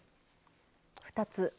２つ。